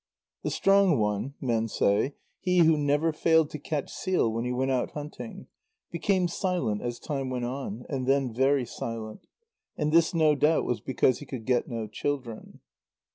The strong one, men say, he who never failed to catch seal when he went out hunting, became silent as time went on, and then very silent. And this no doubt was because he could get no children.